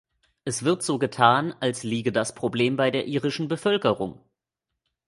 Es wird so getan, als liege das Problem bei der irischen Bevölkerung.